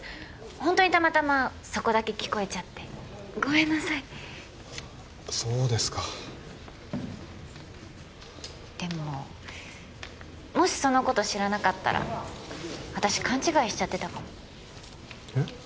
ホントにたまたまそこだけ聞こえちゃってごめんなさいそうですかでももしそのこと知らなかったら私勘違いしちゃってたかもえっ？